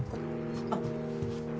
あっ。